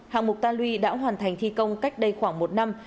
hạng mục ta lui đã hoàn thành thi công cách đây khoảng một năm